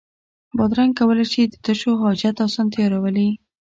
بادرنګ کولای شي د تشو حاجت اسانتیا راولي.